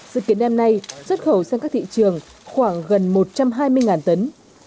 dự kiến năm nay xuất khẩu sang các thị trường khoảng gần một trăm hai mươi tấn